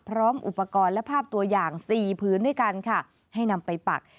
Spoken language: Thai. พร้อมอุปกรณ์และภาพตัวอย่างสี่ผืนด้วยกันค่ะให้นำไปปัก